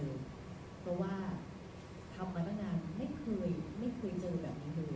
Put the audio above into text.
เพราะว่าทำมาตั้งนานไม่เคยไม่เคยเจอแบบนี้เลย